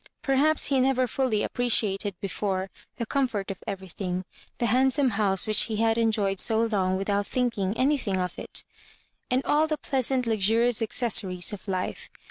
Perhaps he never fully appreciated before the comfort of everything, the handsome house which he had enjoyed so long without thinking anything of it, and all the pleasant luxurious accessories of life.